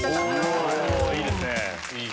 いいですね。